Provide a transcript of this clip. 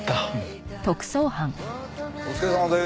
お疲れさまでーす。